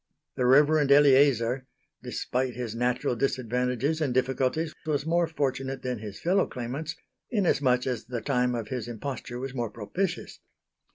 The Reverend Eleazar, despite his natural disadvantages and difficulties, was more fortunate than his fellow claimants inasmuch as the time of his imposture was more propitious.